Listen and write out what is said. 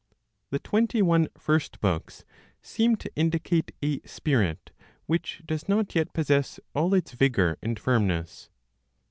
The twenty one first books seem to indicate a spirit which does not yet possess all its vigor and firmness.